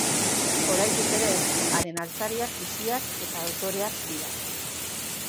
Oraindik ere, haren altzariak biziak eta dotoreak dira.